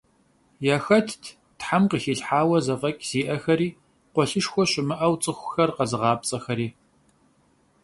Яхэтт Тхьэм къыхилъхьауэ зэфӏэкӏ зиӏэхэри, къуэлъышхуэ щымыӏэу цӏыхухэр къэзыгъапцӏэхэри.